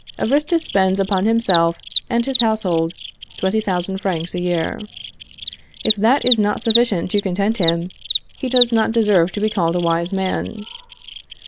Aristus spends upon himself and his household 20,000 francs a year. If that is not sufficient to content him, he does not deserve to be called a wise man.